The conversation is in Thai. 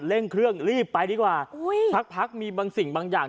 เร่งเครื่องรีบไปดีกว่าอุ้ยสักพักมีบางสิ่งบางอย่าง